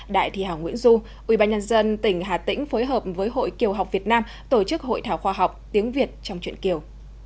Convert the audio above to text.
đại thi hảo nguyễn du ubnd tỉnh hà tĩnh phối hợp với hội kiều học việt nam tổ chức hội thảo khoa học tiếng việt trong chuyện kiều